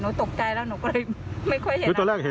ตกใจแล้วหนูก็เลยไม่ค่อยเห็น